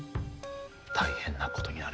大変なことになる。